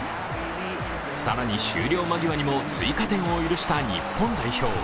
更に、終了間際にも追加点を許した日本代表。